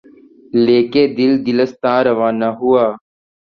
لے کے دل، دلستاں روانہ ہوا